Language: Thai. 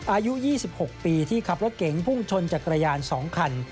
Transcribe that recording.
อายุ๒๖ปีที่ขับรถเก๋งพุ่งชนจักรยาน๒คัน